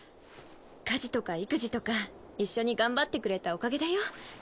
家事とか育児とか一緒に頑張ってくれたおかげだよ。